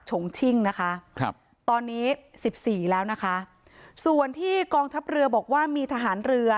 ฉงชิ่งนะคะครับตอนนี้สิบสี่แล้วนะคะส่วนที่กองทัพเรือบอกว่ามีทหารเรือ